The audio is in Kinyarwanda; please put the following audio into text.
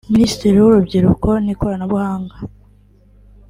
Minisitiri w’urubyiruko n’ikoranabunga